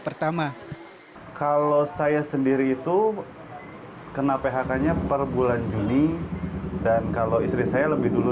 pertama kalau saya sendiri itu kena phk nya per bulan juli dan kalau istri saya lebih dulu